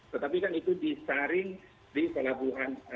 tetapi kan itu disaring di pelabuhan